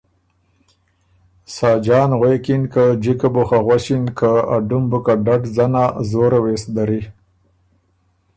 ساجان غوېکِن که جِکه بو خه غؤݭِن که ا ډُم بُو که ډډ ځنا زوره وې سو دَرِی۔